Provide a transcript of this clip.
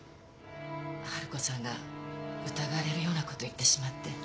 春子さんが疑われるようなこと言ってしまって。